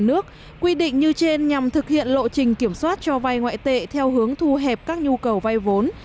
nước quy định như trên nhằm thực hiện lộ trình kiểm soát cho vay ngoại tệ theo hướng thu hẹp các nhu cầu vay vốn